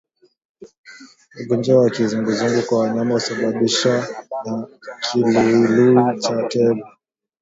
Ugonjwa wa kizunguzungu kwa wanyama husababishwa na kiluilui cha tegu